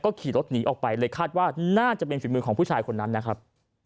ขี่รถหนีออกไปเลยคาดว่าน่าจะเป็นฝีมือของผู้ชายคนนั้นนะครับ